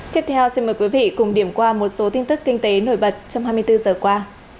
tiếp theo xin mời quý vị cùng điểm qua một số tin tức kinh tế nổi bật trong hai mươi bốn giờ qua